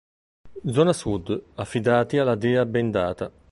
Zona Sud: affidati alla dea bendata.